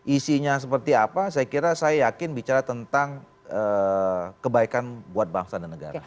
isinya seperti apa saya kira saya yakin bicara tentang kebaikan buat bangsa dan negara